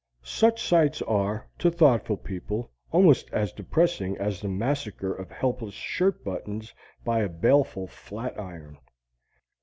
Such sights are, to thoughtful people, almost as depressing as the massacre of helpless shirt buttons by a baleful flatiron.